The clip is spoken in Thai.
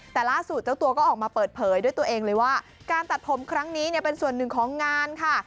แต่ล่าสุดเจ้าตัวก็ออกมาเปิดเผยด้วยตัวเองเลยว่าการตัดผมครั้งนี้เนี่ยเป็นส่วนหนึ่งของงานค่ะ